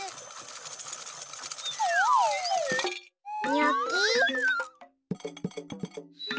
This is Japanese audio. にょき。